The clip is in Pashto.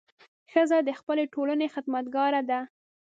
ښځه د خپلې ټولنې خدمتګاره ده.